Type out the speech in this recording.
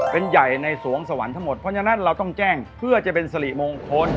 เป็นใหญ่ในสวงสวรรค์ทั้งหมดเพราะฉะนั้นเราต้องแจ้งเพื่อจะเป็นสริมงคล